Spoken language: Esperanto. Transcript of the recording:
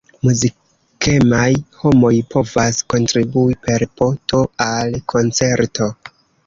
Muzikemaj homoj povas kontribui per po-to al koncerto.